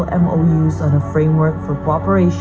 dalam perjalanan untuk berkomunikasi